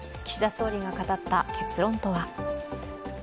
岸田総理が語った結論とは。